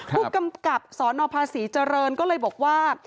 ผู้กำกับสนภาษีเจริญก็เลยบอกว่า